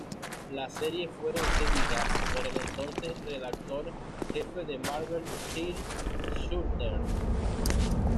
La serie fue concebida por el entonces redactor jefe de Marvel Jim Shooter.